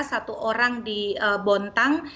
satu orang di bontang